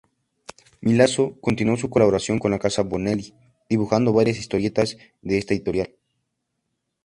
Milazzo continuó su colaboración con la casa Bonelli, dibujando varias historietas de esta editorial.